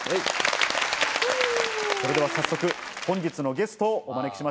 それでは早速本日のゲストをお招きしましょう。